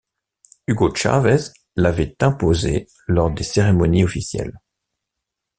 Hugo Chavez l'avait imposé lors des cérémonies officielles.